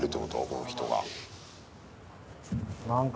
この人が。